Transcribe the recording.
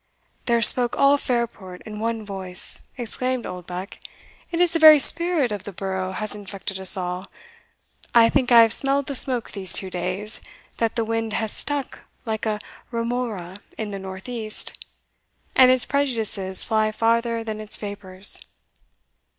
"There spoke all Fairport in one voice!" exclaimed Oldbuck "it is the very spirit of the borough has infected us all; I think I have smelled the smoke these two days, that the wind has stuck, like a remora, in the north east and its prejudices fly farther than its vapours.